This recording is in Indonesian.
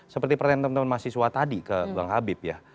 seperti pertanyaan teman teman mahasiswa tadi ke bang habib ya